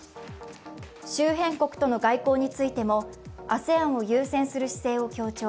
周辺国との外交についても、ＡＳＥＡＮを優先する姿勢を強調。